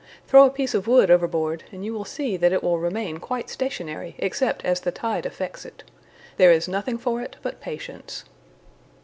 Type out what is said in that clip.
Throw a piece of wood overboard and you will see that it will remain quite stationary except as the tide affects it. There is nothing for it but patience."